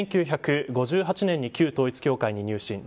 １９５８年に旧統一教会に入信。